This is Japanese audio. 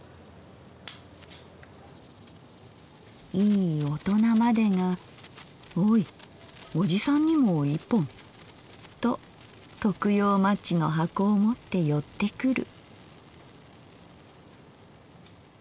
いい大人までが『おいおじさんにも一本』と徳用マッチの箱を持って寄ってくる」。